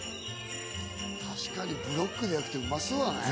確かにブロックで焼くと、うまそうだね。